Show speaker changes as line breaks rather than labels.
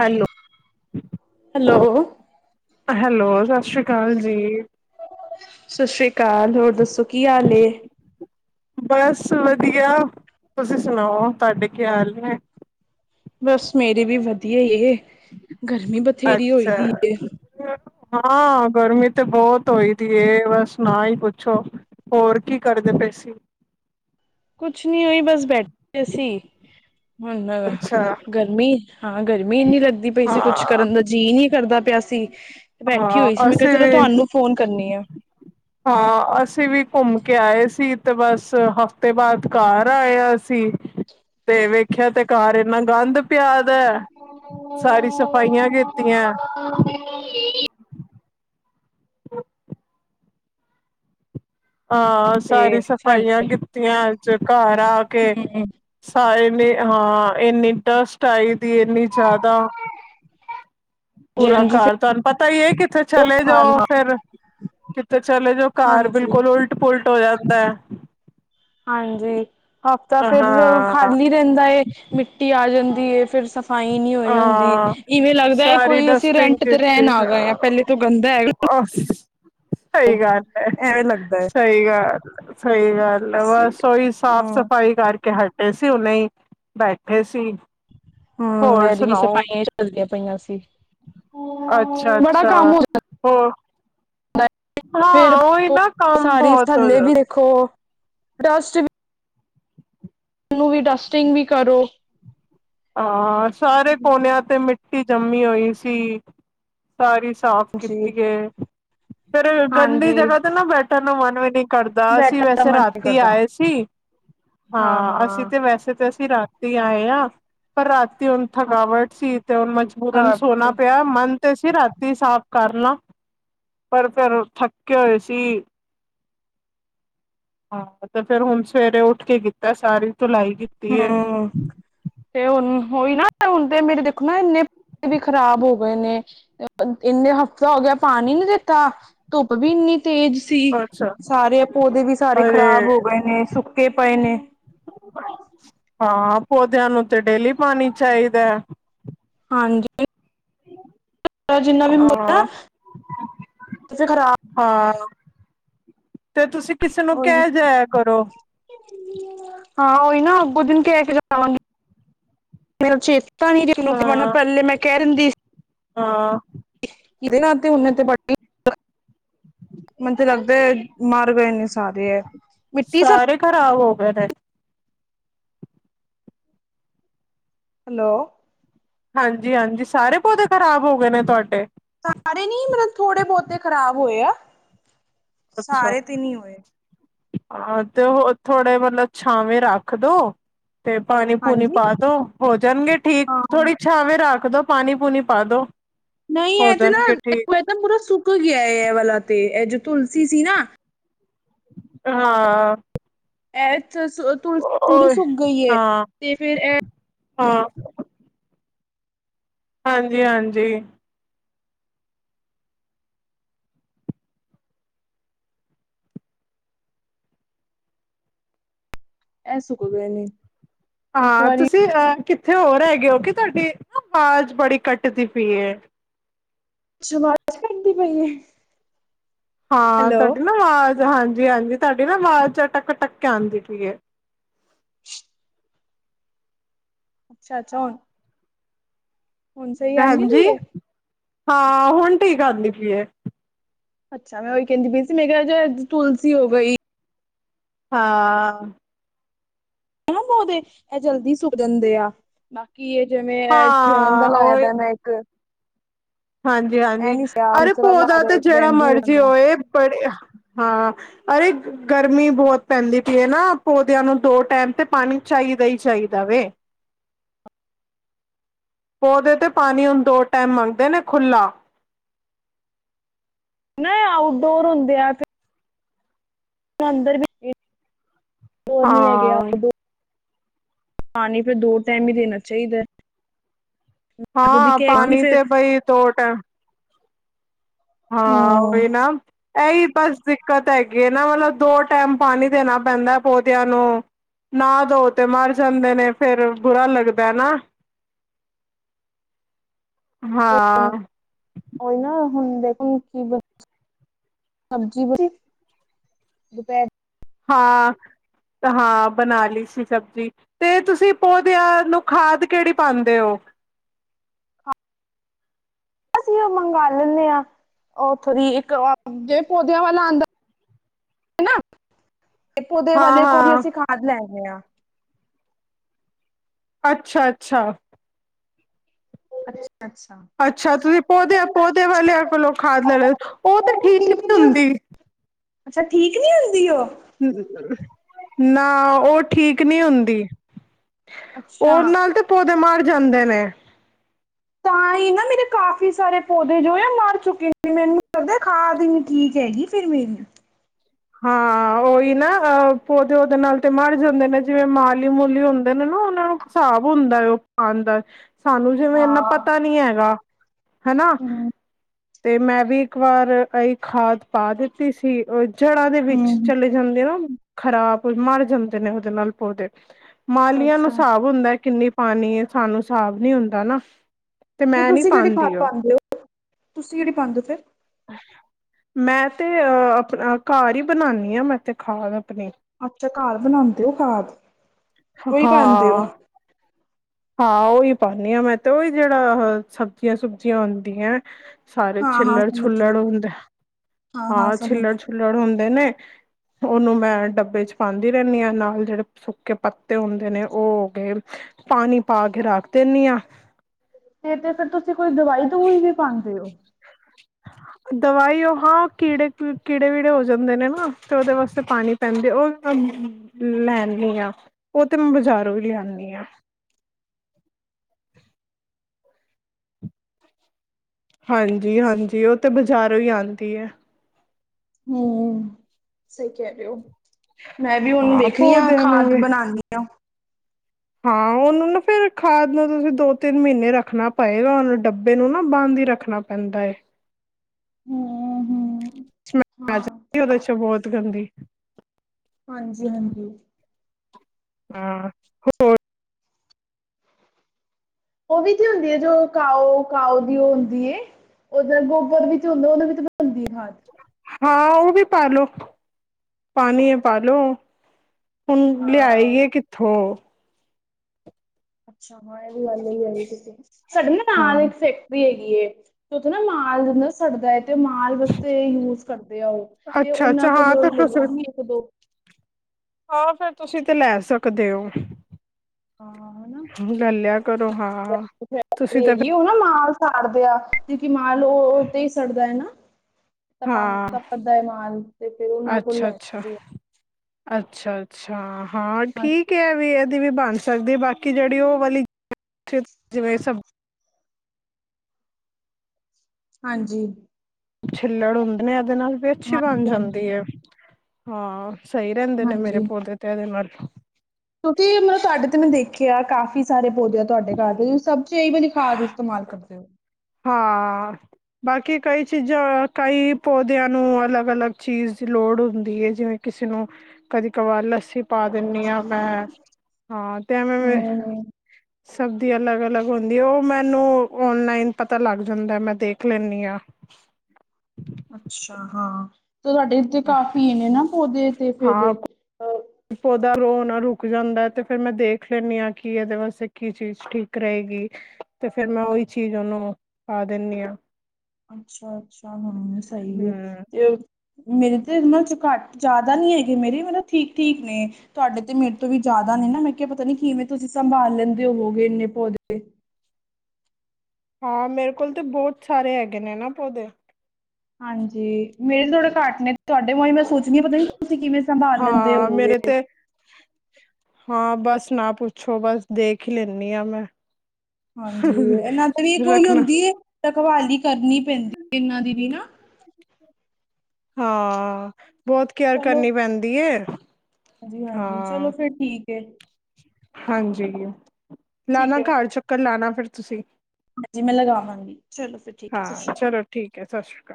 Hello
hello!
Hello ਸਤਿ ਸ਼੍ਰੀ ਅਕਾਲ ਜੀ।
ਸਤਿ ਸ੍ਰੀ ਅਕਾਲ ਹੋਰ ਦੱਸੋ ਕੀ ਹਾਲ ਏ?
ਬਸ ਵਧੀਆ ਤੁਸੀਂ ਸੁਣਾਓ ਤੁਹਾਡੇ ਕੀ ਹਾਲ ਨੇ?
ਬਸ ਮੇਰੇ ਵੀ ਵਧੀਆ ਈ ਏ। ਗਰਮੀ ਬਥੇਰੀ ਹੋਈ
ਅੱਛਾ
ਦੀ ਏ।
ਹਾਂ ਗਰਮੀ ਤੇ ਬਹੁਤ ਹੋਈ ਸੀ ਇਹ ਬਸ ਨਾ ਹੀ ਪੁੱਛੋ ਹੋਰ ਕੀ ਕਰਦੇ ਪਏ ਸੀ?
ਕੁਛ ਨਹੀਂ ਹੋਈ ਬਸ ਬੈਠੀ ਸੀ। ਹੁਣ
ਅੱਛਾ
ਗਰਮੀ ਹਾਂ। ਹਾਂ ਗਰਮੀ ਇੰਨੀ ਲੱਗਦੀ ਪਈ
ਹਾਂ
ਸੀ ਕੁਛ ਕਰਨ ਦਾ ਜੀਅ ਨੀ ਕਰਦਾ ਪਿਆ ਸੀ ਤੇ ਬੈਠੀ
ਹਾਂ
ਹੋਈ ਸੀ ਮੈਂ ਕਿਹਾ
ਅਸੀਂ
ਚਲੋ
ਵੀ
ਤੁਹਾਨੂੰ ਫੋਨ ਕਰਨੀ ਆ।
ਹਾਂ, ਅਸੀਂ ਵੀ ਘੁੰਮ ਕੇ ਆਏ ਸੀ ਤੇ ਬਸ ਹਫ਼ਤੇ ਬਾਅਦ, ਘਰ ਆਏਆ ਸੀ, ਤੇ ਵੇਖਿਆ ਤੇ ਘਰ ਇੰਨਾ ਗੰਧ ਪਿਆਦਾ ਹੈ, ਸਾਰੀ ਸਫ਼ਾਈਆਂ ਕੀਤੀਆਂ। ਹਮ [inaudible] ਹਾਂ,
ਤੇ
ਸਾਰੀ
ਸਾ ਹਮ
ਸਫ਼ਾਈਆਂ ਕੀਤੀਆਂ। ਘਰ [inaudible] ਕੇ ਸਏ [inaudible] ਹਾਂ, ਇੰਨੀ ਤਾਂ ਸਟਾਈ ਦੀ ਇੰਨੀ ਜ਼ਿਆਦਾ,
ਹਾਂਜੀ
ਪੂਰਾ
ਹਾਂਜੀ
ਘਰ ਤੁਹਾਨੂੰ ਪਤਾ ਈ ਐ ਕਿੱਥੇ ਚਲੇ ਜਾਓ,
ਫਿਰ
ਫਿਰ ਚਲੇ ਜੋ ਕਾਰ
ਹਾਂਜੀ
ਬਿਲਕੁਲ ਕੋਈ, ੳਲਟ -ਪੂਲਟ। ਹੋ ਜਾਂਦਾ ਐ।
ਹਾਂਜੀ ਹਫ਼ਤਾ ਫੇਰ
ਹਾਂ
ਖਾਲੀ ਰਹਿੰਦਾ ਏ, ਮਿੱਟੀ ਆ ਜਾਂਦੀ ਦੀ ਫਿਰ ਸਭ [inaudible] ਸਫਾਈ ਨਹੀਂ ਹੋਈ ਹੁੰਦੀ,
ਹਾਂ
ਇਵੇਂ ਲੱਗਦੈ ਐ,
ਸਾਰੀ
ਕੋਈ ਅਸੀਂ
ਡਸਟਿੰਗ
ਰੈਂਟ ਤੇ
ਕੀਤੀ
ਰਹਿਣ ਆ ਗਏ ਆਂ, ਪਹਿਲੇ ਤੋਂ
ਹਾਂ
ਗੰਦਾ ਹੈਗਾ
ਸਹੀ ਗੱਲ
ਐਵੇਂ ਲੱਗਦਾ ਹੈ
ਸਹੀ ਗੱਲ, ਸਹੀ ਗੱਲ ਐ,
ਅਸੀਂ
ਬਸ ਉਹੀ ਸਾਫ਼
ਹਮ
ਸਫ਼ਾਈ ਕਰਕੇ ਕੇ ਹਟੇ ਸੀ ਹੁਨੇਈ, ਬੈਠੇ ਸੀ
ਹਮ,
ਹੋਰ
ਮੇਰੀ ਵੀ
ਸੁਣਾਓ
ਸਫਾਈਆਂ ਚੱਲਦੀਆਂ ਪਈਆਂ ਸੀ,
ਅੱਛਾ
ਬੜਾ
ਅੱਛਾ
ਕੰਮ ਹੋ
ਹੋਰ
ਹੈ, ਫਿਰ
ਹਾਂ, ਉਈ ਨਾ ਕੰਮ
ਸਾਰੀ
ਬਹੁਤ
ਥੱਲੇ
ਹੋ
ਵੀ ਦੇਖੋ ਡਸਟ ਵੀ ਨੂੰ ਵੀ ਡਸਟਿੰਗ ਵੀ ਕਰੋ
ਹਾਂ, ਸਾਰੇ ਕੋਨਿਆਂ ਤੇ ਮਿੱ ਜੰਮੀ ਹੋਈ ਸੀ, ਸਾਰੀ ਸਾਫ
ਜੀ
ਕਿਟੀਏ ਫੇਰ ਗੰਦੀ
ਹਾਂਜੀ
ਜਗਾ ਤੇ ਨਾ, ਬੈਠੇ ਤਨ ਮਨਵੇ ਦੇ [inaudible] ਕਰਦਾ ਅ ਸੀ
ਬੈਠਣ ਦਾ
ਵੈਸੇ
ਮਨ ਨੀ
ਰਾਤੀ
ਕਰਦਾ
ਆਏ ਸੀ ਹਾਂ, ਅਸੀਂ ਤੇ ਵੈਸੇ ਤੇ ਅ [unintelligible] ਅ ਰਾਤੀ ਆਏ ਆ ਪਰ ਰਾਤ [inaudible] ਹੁਣ ਥਕਾਵਟ ਸੀ ਤੇ ਹੁਣ ਮਜਬੂਰਨ ਸੋਨਾ ਪਿਆ ਮਨ ਤੇ ਸੀ ਰਾਤੀ ਸਾਫ਼ ਕਰਨਾ ਪਰ ਫੇਰ ਥੱਕੇ ਹੋਏ ਸੀ ਹਾਂ, ਤੇ ਫੇਰ ਹੁਣ ਸਵੇਰੇ ਉੱਠ ਕੇ ਕੀਤਾ ਸਾਰੀ। ਧੁਲਾਈ ਕੀਤੀ ਹੈ।
ਹਮ ਤੇ ਹੁਣ ਹੋਈ ਨਾ ਹੁਣ ਤੇ ਮੇਰੇ ਦੇਖੋ ਨਾ ਇੰਨੇ ਵੀ ਖ਼ਰਾਬ ਹੋ ਗਏ ਨੇ ਇੰਨੇ ਹਫ਼ਤਾ ਹੋ ਗਿਆ। ਪਾਣੀ ਨੀ ਦਿੱਤਾ ਧੁੱਪ ਵੀ ਇੰਨੀ ਤੇਜ਼ ਸੀ
ਅੱਛਾ
ਸਾਰੇ ਪੌਦੇ ਵੀ ਸਾਰੇ
ਅਰੇ
ਖ਼ਰਾਬ ਹੋ ਗਏ ਨੇ ਸੁੱਕੇ ਪਏ ਨੇ
ਹਾਂ ਪੌਦਿਆਂ ਨੂੰ ਤੇ ਡੇਲੀ ਪਾਣੀ ਚਾਹੀਦਾ ਏ।
ਹਾਂਜੀ। ਜਿੰਨਾ ਵੀ ਮ
ਹਾਂ
ਖਰਾਬ
ਹਾਂ ਤੇ ਤੁਸੀਂ ਕਿਸੇ ਨੂੰ
ਹੋਈ
ਕਹਿ ਜਾਇਆ ਕਰੋ।
ਹਾਂ ਉਹੀ ਨਾ ਅੱਗੋ ਦਿਨ ਕ ਕੇ ਜਾਵਾਂਗੇ ਮੇਰੇ ਚੇ ਤਾਂਵੀ ਕਿਹਨੂੰ ਕਵਾਂ
ਹਾਂ
ਪਹਿਲੇ ਮੈਂ ਕਹਿ ਦਿੰਦੀ ਸੀ।
ਹਾਂ।
ਕਿ ਨਾ ਤੇ ਉਹਨੇ ਤੇ ਬੜੇ ਮੈਨੂੰ ਤੇ ਲੱਗਦਾ ਮਰ ਗਏ ਨੇ ਸਾਰੇ ਐ।
ਸਾਰੇ ਖਰਾਬ ਹੋ ਹੋ ਗਏ ਨੇ
ਹੈਲੋ।
ਹਾਂਜੀ, ਹਾਂਜੀ ਸਾਰੇ ਪੌਦੇ ਖ਼ਰਾਬ ਹੋ ਗਏ ਨੇ ਤੁਹਾਡੇ
ਸਾਰੇ ਨੀ ਮਤਲਬ ਥੋੜੇ ਬਹੁਤੇ ਖਰਾਬ ਹੋਏ ਆ।
ਅੱਛਾ
ਸਾਰੇ ਤੇ ਨਹੀ ਹੋਏ।
ਹਾਂ ਤੇ ਉਹ ਥੋੜੇ ਮਤਲਬ ਛਾਵੇਂ ਰੱਖਦੋ? ਤੇ ਪਾਣੀ ਪੂਣੀ
ਹਾਂਜੀ।
ਪਾਦੋ ਹੋ ਜਾਣਗੇ ਠੀਕ
ਹਾਂ,
ਥੋੜੀ ਛਾਵੇਂ ਰ ਪਤ ਪਾਣੀ ਪੂਣੀ ਪਾ ਦੋ
ਨਹੀਂ
ਹੋ
ਇਹ ਤੇ
ਜਾਣਗੇ ਠੀਕ
ਦੇਖੋ ਇਹ ਤਾਂ ਪੂਰਾ ਸੁੱਕ ਗਿਆ ਇਹ ਵਾਲਾ ਤੇ ਇਹ ਜੋ ਤੁਲਸੀ ਸੀ ਨਾ
ਹਾਂ।
ਐ ਤੁਲਸੀ ਪੂਰੀ
ਓਏ
ਸੁੱਕ ਗਈ ਹੈ,
ਹਾਂ।
ਤੇ ਫੇਰ ਇਹ
ਹਾਂ। ਹਾਂਜੀ, ਹਾਂਜੀ
ਐ ਸੁਕ ਗਏ ਨੇ ਇੱਕ
ਹਾਂ
ਵਾਰੀ
ਤੁਸੀਂ ਹੈ ਕਿ ਕਿਤੇ ਹੋਰ ਹੈਗੇ ਹੋ ਕਿ ਤੁਹਾਡੀ ਆਵਾਜ਼ ਬੜੀ ਕੱਟਦੀ ਪਈ ਏ
ਅੱਛਾ ਆਵਾਜ਼ ਕੱਟਦੀ ਪਈ ਏ
ਹਾਂ
ਹੈਲੋ
ਤੁਹਾਡੀੇ ਨਾ ਆਵਾਜ ਹਾਂਜੀ, ਹਾਂਜੀ ਤੁਹਾਡੀ ਨਾ ਆਵਾਜ਼ ਅਟਕ, ਅਟੱਕ ਆਉਂਦੀ ਪਈ ਏ
ਅੱਛਾ, ਅੱਛਾ ਹੁਣ ਹੁਣ ਸਹੀ ਆਉਂਦੀ ਪਈ
ਹਾਂਜੀ,
ਏ।
ਹਾਂ ਹੁਣ ਠੀਕ ਆਂਦੀ ਪਈ ਏ
ਅੱਛਾ ਮੈਂ ਉਹੀ ਕਹਿੰਦੀ ਬ ਸੀ ਮੇ ਕਿਹਾ ਤੁਲਸੀ ਹੋ ਗਈ।
ਹਾਂ।
ਪਦੇ ਇਹ ਜਲਦੀ ਸੁੱਕ ਦਦੇ ਆ। ਕੀ ਇਹ ਜਿਵੇਂ ਟੈਨ ਦਾ
ਹਾਂ
ਲਾਇਆ ਦਾ ਮੈਂ ਇੱਕ
ਹਾਂਜੀ
ਇਹ
ਹਾਂਜੀ
ਨੀ
ਅਰੇ
ਦੂਸਰਾ ਲਾਇਆ
ਪੌਦਾ
ਦਾ
ਤਾਂ
ਇੱਕ
ਜਿਹੜਾ
ਬੈਂਬੂ
ਮਰਜ਼ੀ
ਦਾ
ਹੋਏ ਬੜੇ ਹਾਂ ਅਰੇ ਗਰਮੀ ਬਹੁਤ ਪੈਂਦੀ ਪਈ ਹੈ ਨਾ ਪੌਦਿਆਂ ਨੂੰ ਦੋ ਟਾਈਮ ਤੇ ਪਾਣੀ ਚਾਹੀਦਾ ਹੀ ਚਾਹੀਦਾ ਵੇ। ਪੌਦੇ ਤੇ ਪਾਣੀ ਹੁਣ ਦੋ ਟਾਈਮ ਮੰਗਦੇ ਨੇ ਖੁ੍ਹਾ।
ਨਾ ਇਹ ਆਊਟਡੋਰ ਹੁੰਦੇ ਆ ਤੇ ਅੰਦਰ ਦਰ ਨਹੀਂ ਹੈਗੇ
ਹਾਂ
ਉਹ ਦੋ ਪਾਣੀ ਪ ਦੋ ਟਾਈਮ ਹੀ ਦੇਣਾ ਚਾਹੀਦਾ। ਮੈਂ ਖੁਦ ਹੀ
ਹਾਂ
ਕਹਾਂਗੀ
ਪਾਣੀ
ਫਿਰ
ਤੇ ਬਈ ਦੋ ਟਾਈਮ ਹਾਂ
ਹਮ
ਹੀ ਨਾ ਇਹੀ ਬਸ ਦਿੱਕਤ ਹੈਗੀ ਹੈ ਨਾ ਮਤਲਬ ਦੋ ਟਾਈਮ ਪਾਣੀ ਦੇਣਾ ਪੈਂਦਾ ਪੌਦਿਆਂ ਨੂੰ ਨਾ ਦਓ ਤੇ ਮਰ ਜਾਂਦੇ ਨੇ ਫੇਿਰ ਬੁਰਾ ਲੱਗਦਾ ਨਾ ਹਾਂ।
ਉਹੀ ਨਾ ਹੁਣ ਦੇਖੋ ਕੀ ਸਬਜ਼ ਦੁਪ
ਹਾਂ ਤਾਂ ਹਾਂ ਬਣਾ ਲਈ ਸੀ ਸਬਜ਼ੀ ਤੇ ਤੁਸੀਂ ਪੌਦਿਆਂ ਨੂੰ ਖਾਦ ਕਿਹੜੀ ਪਾਉਂਦੇ ਹੋ?
ਅਸੀਂ ਉਹ ਮੰਗ ਲੈਂਦੇ ਹਾਂ ਉਹਥੋਂ ਦੀ ਇੱਕ ਜ ਪੌਦਿਆਂ ਵ ਆਉਂਦਾ ਤੇ ਪੌਦੇ
ਹਾਂ
ਵਾਲੇ ਕੋਲ ਹੀ
ਹਾਂ
ਅਸੀਂ ਖਾਦ ਲੈਦੇ ਹਾਂ।
ਅੱਛਾ ਅੱਛਾ।
ਅੱਛਾ।
ਅੱਛਾ ਤੁਸੀਂ ਪੌਦੇ ਪੌਦੇ ਵਾਲਿਆਂ ਕੋਲ ਖਾਦ ਲੈ ਲ ਉਹ ਤੇ ਠੀਕ ਨੀ ਹੁੰਦੀ।
ਅੱਛਾ ਠੀਕ ਨਹੀਂ ਹੁੰਦੀ ਉਹ?
ਨਾ ਉਹ ਠੀਕ ਨ ਹੁੰਦੀ। ਉਹ
ਅੱਛਾ
ਨਾਲ ਤੇ ਪੌਦੇ ਮਾਰ ਜਾਂਦੇ ਨੇ
ਤਾਂ ਹੀ ਨਾ ਮੇਰੇ ਕਾਫੀ ਸਾਰੇ ਪੌਦੇ ਜੋ ਆ ਮਰ ਚੁੱਕੇ ਨੇ ਮੈਨੂੰ ਲੱਗਦਾ ਖਾਦ ਠੀਕ ਹੈਗੀ ਫਿਰ ਮੇਰੀਆਂ।
ਹਾਂ ਉਹੀ ਨਾ ਅਹ ਪੌਦੇ ਉਹਦੇ ਨਾਲ ਤੇ ਮਰ ਜਾਂਦੇ ਨੇ ਜਿਵੇਂ ਮਾਲੀ ਮੂਲੀ ਹੁੰਦੇ ਨੇ ਨਾ ਉਹਨਾਂ ਨੂੰ ਹਿਸਾਬ ਹੁੰਦਾ ਹੈ ਉਹ ਪਾਣ ਦਾ। ਸਾਨੂੰ ਜਿਵੇਂ ਇੰਨਾ
ਹਾਂ।
ਪਤਾ ਨੀ ਹੈਗਾ। ਹੈਨਾ?
ਹੂੰ
ਤੇ ਮੈਂ ਵੀ ਇੱਕ ਵਾਰ ਅ ਖਾਦ ਪਾ ਦਿੱਤੀ ਸੀ ਉਹ ਜੜ੍ਹਾਂ ਦੇ ਵਿੱਚ
ਹੂੰ
ਚਲੇ ਜਾਂਦੇ ਨਾ ਖਰਾਬ ਮਰ ਜਾਂਦੇ ਨੇ ਉਹਦੇ ਨਾਲ ਪੌਦੇ। ਮਾਲੀਆਂ ਨੂੰ
ਅੱਛਾ-ਅੱਛਾ
ਹਿਸਾਬ ਹੁੰਦਾ ਕਿੰਨੀ ਪਾਣੀ ਸਾਨੂੰ [unintelligible] ਨੀ ਹੁੰਦਾ ਨਾ। ਤੇ
ਜੀ
ਮੈਂ ਨੀ
ਤੁਸੀਂ ਕੇੜੀ
ਪਾਉਂਦੀ
ਖਾਤ
ਉਹ
ਪਾਂਦੇ ੳ? ਤੁਸੀਂ ਕੇੜੀ ਪਾਂਦੇ ੳ ਫੇਰ?
ਮੈਂ ਤੇ ਅ ਅਪਣਾ ਘਾਰ ਈ ਬਨਾਣੀ ਆਂ ਮੈਂ ਤੇ ਖਾਦ ਆਪਣੀ।
ਅੱਛਾ ਘਰ ਬਣਾਉਂਦੇ ਹੋ ਖਾਦ
ਹਾਂ
ੳਹੀ ਭਰਦੇ ਹੋ
ਹਾਂ ਉਹੀ ਪਾਨੀ ਹਾਂ ਮੈਂ ਤੇ ਉਹੀ ਜਿਹੜਾ ਸਬਜ਼ੀਆਂ ਸੁਬਜ਼ੀਆਂ ਹੁੰਂਦੀਆਂ ਸਾਰੇ
ਹਾਂ-ਹਾਂ
ਛਿੱਲੜ
ਸਮਝ ਗਈ।
ਛੁਲੜ ਹੁੰਦੇ,
ਹਾਂ-ਹਾਂ
ਹਾਂ
ਸਮਝ
ਛਿੱਲੜ ਛੁ
ਗਈ।
ਹੁੰਦੇ ਨੇ, ਓਨੂੰ ਮੈਂ ਡੱਬੇ ਚ ਪਾਂਦੀ ਰੈਨੀ ਆਂ ਨਾਲ ਜੇੜੇ ਸੁੱਕੇ ਪੱਤੇ ਹੁੰਦੇ ਨੇ ਓ ਹੋਗੇ, ਪਾਣੀ ਪਾ ਕੇ ਰਾੱਖ ਦੇਂਨੀ ਆ
ਤੇ ਤੇ ਫਿਰ ਤੁਸੀਂ ਕੋਈ ਦਵਾਈ ਦੂਵੂਈ ਵੀ ਪਾਉਂਦੇ ਹੋ
ਦਵਾਈ ਉਹੋ ਕੀੜੇ ਕੀੜੇ ਵੀੜੇ ਹੋ ਜਾਂਦੇ ਨੇ ਨਾ ਤੇ ਉਹਦੇ ਵਾਸਤੇ ਪਾਣੀ ਪੈਂਦਾ ਉਹ ਲੈਂਦੀ ਹਾਂ ਉਹ ਤੇ ਮੈਂ ਬਜ਼ਾਰੋਂ ਵੀ ਲਿਆਂਂਨੀ ਹਾਂ ਹਾਂਜੀ ਹਾਂਜੀ ਉਹ ਤੇ ਬਾਜਾਰੋਂ ਹੀ ਆਉਂਦੀ ਐ।
ਹਮ ਸਹੀ ਕਹਿ ਰਿ ਹੋ। ਮੈਂ ਵੀ ਹੁਣ
ਹਾਂ
ਵੇਖਨੀ ਆਂ
ਪੌਦਿਆਂ ਨੂੰ
ਖਾਦ
ਵੀ
ਬਨਾਨੀ ਆਂ
ਹਾਂ ਉਹਨੂੰ ਨਾ ਫੇਰ ਖਾਦ ਨੂੰ ਵੀ ਦੋ ਤਿੰਨ ਮਹੀਨੇ ਰੱਖਣਾ ਪਏਗਾ ਉਹਨੂੰ ਡੱਬੇ ਨੂੰ ਨਾ ਬੰਦ ਹੀ ਰੱਖਣਾ ਪੈਂਦਾ ਹੈ
ਹੂੰ-ਹੂੰ ਹਾਂ
[inaudible] ਉਦੇ ਚ ਬਹੁਤ ਗਂਦੀ
ਹਾਂਜੀ-ਹਾਂਜੀ
ਹਾਂ [unintelligible]
ਉਹ ਵੀ ਤੇ ਹੁੰਦੀ ਹੈ ਜੋ ਕਾਓ ਕਾਓ ਦੀ ਉਹ ਹੁੰਦੀ ਹੈ ਉਹਦੇ ਗੋਬਰ ਵੀ ਹੁੰਦਾ ਉਹਨੂੰ ਵੀ ਤਾਂ ਬ ਹਉਦੀ ਆ ਖਾਦ
ਹਾਂ ਉਹ ਵੀ ਪਾ--ਲੋ ਪਾਣੀ ਪਾਲੋ ਹੁਣ
ਹਾਂ
ਲਿਆਈਏ ਕਿੱਥੋਂ
ਅੱਛਾ ਹਾਂ ਇਹ ਵੀ ਗੱਲ ਹੋ ਹੈਹੀ ਕਿਤੇ ਸਾਡੇ ਨਾ
ਹਾਂ
ਨਾਲ ਇੱਕ ਫੈਕਟਰੀ ਹੈਗੀ ਏ ਤੇ ਉੱਥੇ ਨਾ ਮਾਲ ਜੀਵੇਂ ਸੜਦਾ ਏ ਤੇ ਮਾਲ ਵਾਸਤੇ ਯੂਜ ਕਰਦੇ ਆ ਉਹ ਤੇ ਉਹਨਾਂ
ਅੱਛਾ-ਅੱਛਾ ਹਾਂ
ਕੋਲੋਂ
ਤੇ
ਲੈ
ਤੁਸੀਂ
ਲਾਂਗੀ ਇੱਕ ਦੋ
ਹਾਂ ਫਿਰ ਤੁਸੀਂ ਤੇ ਲੈ ਸਕਦੇ ਹੋ
ਹਾਂ ਹਨਾ
ਲੈ ਲਿਆ ਕਰੋ ਹਾਂ ਤੁਸੀਂ
ਫੈਕਟਰੀ
ਤਾਂ ਫ
ਹੈਗੀ ਉਹ ਨਾ ਮਾਲ ਸਾੜਦੇ ਆ ਕਿੳਂਕੀ ਮਾਲ ਉਹ ਉ ਤੇ ਹੀ ਸੜਦਾ ਹੈ ਨਾ ਪਤਾਂ ਨਈ
ਹਾਂ
ਤਪਦਾ ਐ ਮਾਲ ਤੇ ਫਿਰ
ਅੱਛਾ-ਅੱਛਾ
[unintelligible]
ਛਾ ਹਾਂ ਠੀਕ
ਹਾਂਜੀ
ਹੈ ਵੀ ਦੀ ਵੀ ਬਣ ਸਕਦੀ ਬਾਕੀ ਜਿਹੜੀ ਉਹ ਵਾਲੀ ਜਿਵੇਂ ਸਬ
ਹਾਂਜੀ
ਛਿੱਲੜ ਹੁੰਦੇ ਨੇ ਆ ਦੇ ਨਾਲ ਵੀ ਅੱਛੀ
ਹਾਂਜੀ
ਬਣ ਜਾਂਦੀ
ਹਾਂਜੀ
ਏ। ਹਾਂ। ਸਹੀ ਰਹਿੰਦੇ ਨੇ ਮੇਰੇ
ਹਾਂਜੀ
ਪੌਦੇ ਤੇ ਇਹਦੇ ਨਾਲ। ਹ [inaudible]
ਤੁਸੀਂ ਮਤਲਬ ਤੁਹਾਡੇ ਤੇ ਮੈਂ ਦੇਖਿਆ ਕਾਫੀ ਸਾਰੇ ਪੋਦੇ ਆ ਤੁਹਾਡੇ ਘਰ ਦੇ ਸਭ। ਚੇ ਵਾਲੀ ਖਾਦ ਇਸਤੇਮਾਲ ਕਰਦੇ ਹੋ?
ਹਾਂ ਬਾਕੀ ਕਈ ਚੀਜ਼ਾਂ ਕਈ ਪੌਦਿਆਂ ਨੂੰ ਅਲੱਗ ਅਲੱਗ ਚੀਜ਼ ਦੀ ਲੋੜ ਹੁੰਦੀ ਹੈ, ਜਿਵੇਂ ਕਿਸੇ ਨੂੰ ਕਦੀ ਕਬਾਰ ਲੱਸੀ ਪਾ ਦਿੰਨੀ ਹਾਂ ਮੈਂ ਹਾਂ ਤੇ ਐਵੇਂ ਐਵੇਂ
ਹੂੰ, ਹੂੰ।
ਸਬ ਦੀ ਅਲੱਗ ਅਲੱਗ ਹੁੰਦੀ ਏ ਉਹ ਮੈਨੂੰ ਔਨਲਾਈਨ ਪਤਾ ਲੱਗ ਜਾਂਦਾ ਮੈਂ ਦੇਖ ਲੈਂਨੀ ਆ।
ਅੱਛਾ ਹਾਂ। ਤਾਂ ਤੁਹਾਡੇ ਇੱਥੇ ਕਾਫੀ ਨੇ ਨਾ ਪੌਦੇ ਤੇ ਫੇਰ ਅਹ
ਰੋ ਨਾ ਰੁਕ ਜਾਂਦਾ ਤੇ ਫਿਰ ਮੈਂ ਦੇਖ ਲੈਂਨੀ ਹਾਂ ਕਿ ਇਹਦੇ ਵਾਸਤੇ ਕੀ ਚੀਜ਼ ਠੀਕ ਰਹੇਗੀ ਤੇ ਫੇਰ ਮੈਂ ਉਓਹੀ ਚੀਜ਼ ਉਹਨੂੰ ਪਾ ਦਿਨੀਂ ਆ।
ਅੱਛਾ ਅੱਛਾ ਹਾਂ ਸਹੀ ਏ
ਹਮ
ਤੇ ਮੇਰੇ ਤੇ ਇਹਨਾਂ ਚ ਘੱਟ ਜ਼ਿਆਦਾ ਨੀ ਹੈਗੇ ਮੇਰੇ ਮਤਲਬ ਠੀਕ ਠੀਕ ਨੇ ਤੁਹਾਡੇ ਤੇ ਮੇਰੇ ਤੋਂ ਵੀ ਜ਼ਿਆਦਾ ਨੇ ਨਾ ਮੈਂ ਕਿਹਾ ਪਤਾ ਨੀ ਕਿਵੇਂ ਤੁਸੀਂ ਸੰਭਾਲ ਲੈਂਦੇ ਹੋਵੋਗੇ ਇੰਨੇ ਪੌਦੇ?
ਹਾਂ ਮੇਰੇ ਕੋਲ ਤਾਂ ਬਹੁਤ ਸਾਰੇ ਹੈਗੇ ਨੇ ਨਾ ਪੌਦੇ।
ਹਾਂਜੀ। ਮੇਰੇ ਥੋੜੇ ਘੱਟ ਨੇ ਤੁਹਾਡੇ ਮ ਹੀ ਮੈਂ ਸੋਚਣੀ ਪਤਾ ਨੀ ਤੁਸੀਂ ਕਿਵੇਂ ਸੰਭਾਲ ਲੈਂਦੇ
ਹਾਂ
ਹੋਵੋਗੇ?
ਮੇਰੇ ਤੇ ਹਾਂ ਬਸ ਨਾ ਪੁੱਛੋ ਬਸ ਦੇਖ ਹੀ ਲੈਂਨੀ ਆ ਮੈਂ।
ਹਾਂਜੀ ਇਹਨਾਂ ਤੇ ਵੀ ਕੋਈ
ਰੱਖਣਾ
ਹੁੰਦੀ ਏ। ਰਖਵਾਲੀ ਕਰਨੀ ਪੈਂਦੀ ਇਹਨਾਂ ਦੀ ਵੀ ਨਾ।
ਹਾਂ। ਬਹੁਤ ਕੇਅਰ
ਚਲੋ
ਕਰਨੀ ਪੈਂਦੀ ਏ।
ਹਾਂਜੀ ਹਾਂਜੀ ਚਲੋ
ਹਾਂ
ਫਿਰ ਠੀਕ। ਕੇ।
ਹਾਂਜੀ।
ਠੀਕ
ਲਾਣਾ
ਹੈ
ਘਰ ਚੱਕਰ ਲਾਣਾ ਫਿਰ। ਤੁਸੀਂ।
ਹਾਂਜੀ ਮੈਂ ਲਗਾਵਾਂਗੀ ਚਲੋ ਫਿਰ ਠੀਕ ਹੈ ਸਤਿ
ਹਾਂ
ਸ਼੍ਰੀ ਕਾਲ।
ਚਲੋ ਠੀਕ ਹੈ ਸਤਿ ਸ਼੍ਰੀ ਅਕਾਲ